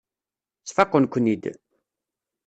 Sfaqen-ken-id.